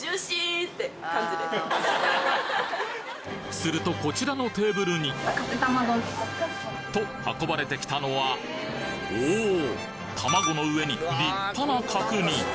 するとこちらのテーブルにと運ばれてきたのはおお卵の上に立派な角煮。